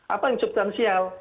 apa yang substansial